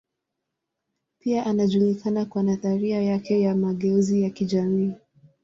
Pia anajulikana kwa nadharia yake ya mageuzi ya kijamii.